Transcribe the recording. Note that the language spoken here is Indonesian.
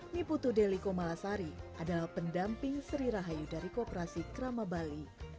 niputu deliko malasari adalah pendamping sri rahayu dari koperasi krama bali